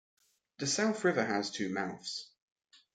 The South River has two mouths.